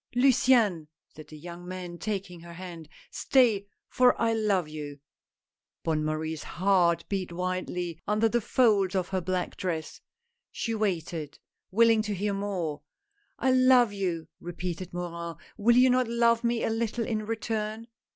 "Luciane," said the young man, taking her hand, " stay, for I love you !" Bonne Marie's heart beat wildly under the folds of her black dress — she waited, willing to hear more. "I love you," repeated Morin, "will you not love me a little in return